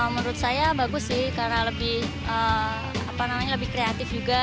menurut saya bagus sih karena lebih kreatif juga